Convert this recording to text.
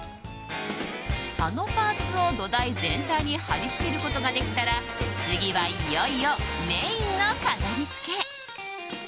葉のパーツを土台全体に貼り付けることができたら次は、いよいよメインの飾りつけ！